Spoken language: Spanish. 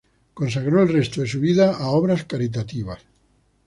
Consagró el resto de su vida a obras caritativas.